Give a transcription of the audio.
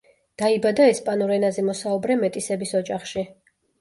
დაიბადა ესპანურ ენაზე მოსაუბრე მეტისების ოჯახში.